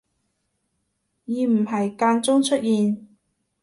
而唔係間中出現